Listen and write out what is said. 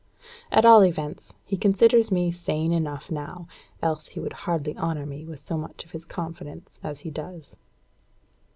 At all events, he considers me sane enough now, else he would hardly honour me with so much of his confidence as he does.